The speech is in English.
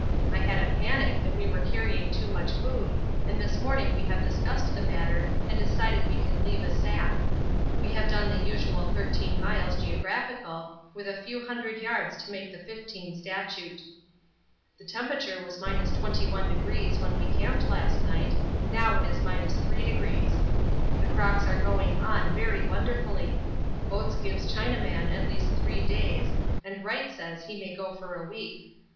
I had a panic that we were carrying too much food and this morning we have discussed the matter and decided we can leave a sack. We have done the usual 13 miles (geog.) with a few hundred yards to make the 15 statute. The temperature was 21° when we camped last night, now it is 3°. The crocks are going on, very wonderfully. Oates gives Chinaman at least three days, and Wright says he may go for a week.